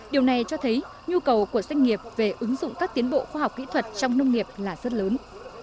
điều này cho thấy nhu cầu của doanh nghiệp về ứng dụng các tiến bộ khoa học kỹ thuật trong nông nghiệp là rất lớn